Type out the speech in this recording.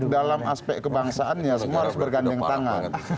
dalam aspek kebangsaannya semua harus bergandengan tangan